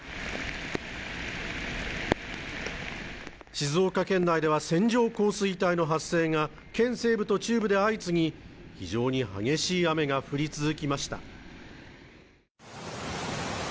静岡県内では線状降水帯の発生が県西部と中部で相次ぎ、非常に激しい雨が降り続きました。